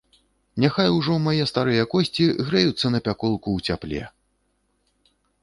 Няхай ужо мае старыя косці грэюцца на пяколку ў цяпле!